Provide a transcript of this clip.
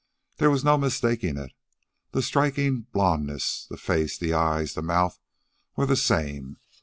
There was no mistaking it. The striking blondness, the face, the eyes, the mouth were the same.